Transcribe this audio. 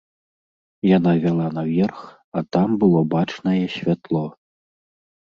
Яна вяла наверх, а там было бачнае святло.